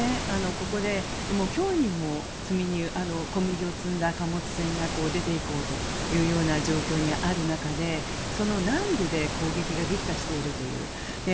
ここで、今日にも小麦を積んだ貨物船が出ていこうというような状況にある中でその南部で攻撃が激化しているという。